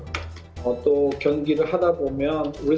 sebenarnya mereka adalah pemain terbaru